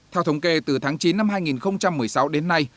theo thống kê từ tháng chín năm hai nghìn một mươi sáu đến nay